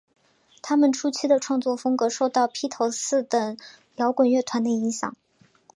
她们初期的创作风格受到披头四等摇滚乐团的影响。